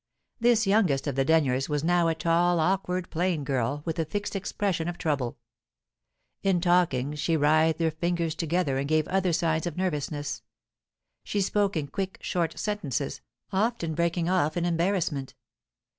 This youngest of the Denyers was now a tall awkward, plain girl, with a fixed expression of trouble; in talking, she writhed her fingers together and gave other signs of nervousness; she spoke in quick, short sentences, often breaking off in embarrassment.